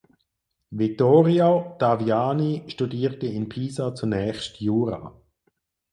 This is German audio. Vittorio Taviani studierte in Pisa zunächst Jura.